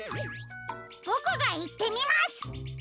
ボクがいってみます！